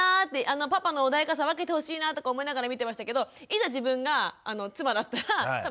あのパパの穏やかさ分けてほしいなとか思いながら見てましたけどいざ自分が妻だったら多分私も怒ってると思います。